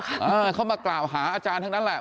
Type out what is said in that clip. เขามากล่าวหาอาจารย์ทั้งนั้นแหละ